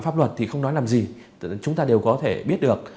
pháp luật thì không nói làm gì chúng ta đều có thể biết được